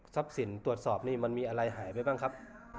สินตรวจสอบนี่มันมีอะไรหายไปบ้างครับ